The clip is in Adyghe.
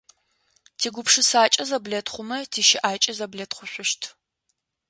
ТигупшысакӀэ зэблэтхъумэ тищыӀакӀи зэблэтхъушъущт.